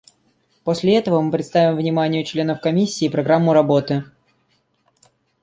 После этого мы представим вниманию членов Комиссии программу работы.